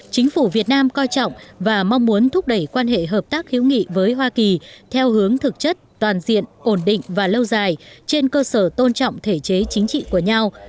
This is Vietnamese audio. chính phủ việt nam coi trọng và mong muốn thúc đẩy quan hệ hợp tác hữu nghị với hoa kỳ theo hướng thực chất toàn diện ổn định và lâu dài trên cơ sở tôn trọng thể chế chính trị của nhau